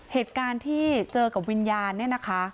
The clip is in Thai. เหตุการณ์ที่เจอกับวิญญาณเนี่ยนะคะ